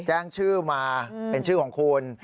แจ้งชื่อมาเป็นชื่อของคุณ